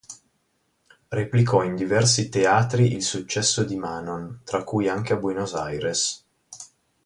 Replicò in diversi teatri il successo di Manon, tra cui anche a Buenos Aires.